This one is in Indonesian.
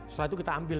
setelah itu kita ambil